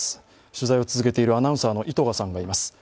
取材を続けているアナウンサーの糸賀さんがいます。